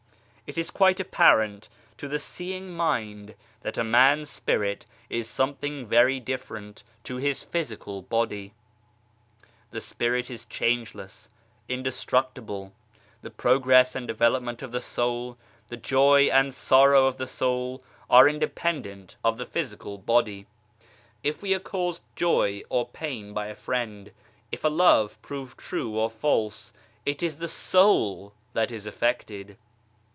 It is quite apparent to the seeing mind that a man's spirit is something very different to his physical body. The Spirit is changeless, indestructible. The progress and development of the soul, the joy and sorrow of the soul, are independent of the physical body. If we are caused joy or pain by a friend, if a love prove true or false, it is the soul that is affected.